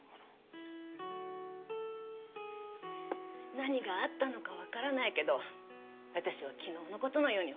何があったのかわからないけど私は昨日の事のように覚えてる。